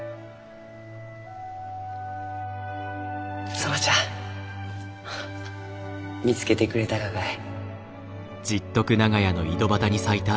園ちゃん見つけてくれたがかえ？